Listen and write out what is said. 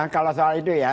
kalau soal itu ya